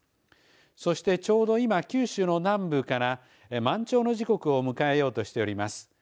そしてちょうど今九州の南部から満潮の時刻を迎えようとしております。